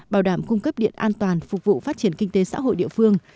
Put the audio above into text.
bảo đảm cung cấp điện an toàn phục vụ phát triển kinh tế xã hội địa phương